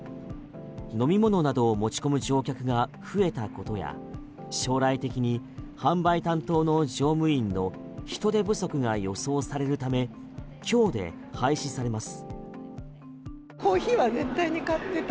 飲み物などを持ち込む乗客が増えたことや将来的に販売担当の乗務員の人手不足が予想されるため今日で廃止されます。